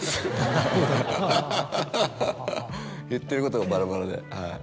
言ってることがバラバラで。